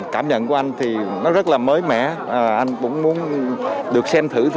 cảm nhận của anh thì nó rất là mới mẻ anh cũng muốn được xem thử